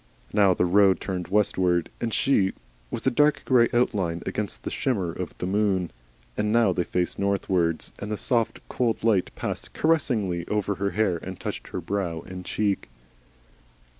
Now the road turned westward, and she was a dark grey outline against the shimmer of the moon; and now they faced northwards, and the soft cold light passed caressingly over her hair and touched her brow and cheek.